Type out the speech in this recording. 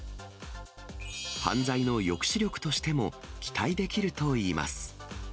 犯罪の抑止力としても期待できるといいます。